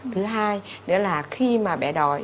thứ hai nữa là khi mà bé đói